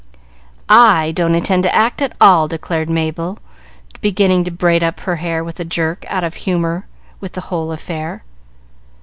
"I don't intend to act at all!" declared Mabel, beginning to braid up her hair with a jerk, out of humor with the whole affair.